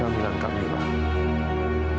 kamu tahu apa apa saya pak